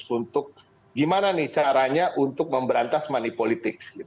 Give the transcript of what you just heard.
untuk gimana nih caranya untuk memberantas money politics